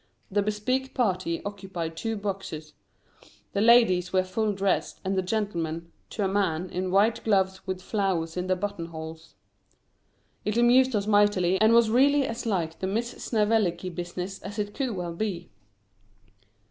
The bespeak party occupied two boxes, the ladies were full dressed, and the gentlemen, to a man, in white gloves with flowers in their button holes. It amused us mightily, and was really as like the Miss Snevellicci business as it could well be.